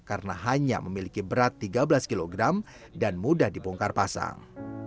karena hanya memiliki berat tiga belas kilogram dan mudah dipongkar pasang